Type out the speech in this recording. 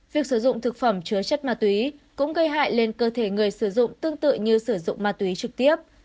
việc sử dụng thực phẩm chứa chất ma túy cũng gây hại lên cơ thể người sử dụng tương tự như sử dụng ma túy trực tiếp